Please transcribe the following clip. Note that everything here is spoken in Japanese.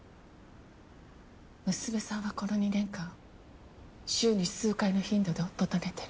娘さんはこの２年間週に数回の頻度で夫と寝てる。